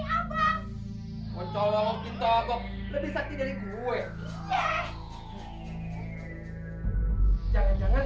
hai mencolok colok lebih sakti dari gue jangan jangan